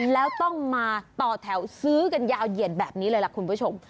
แล้วต้องมาต่อแถวซื้อกันยาวเหยียดแบบนี้เลยล่ะคุณผู้ชม